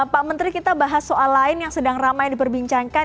pak menteri kita bahas soal lain yang sedang ramai diperbincangkan